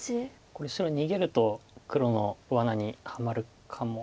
これ白逃げると黒のわなにはまるかも。